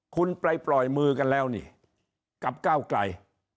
คุณไปปล่อยมือกันแล้วนี่กับก้าวไกล